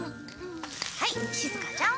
はいしずかちゃん。